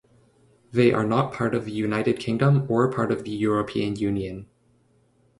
They are not part of the United Kingdom or part of the European Union.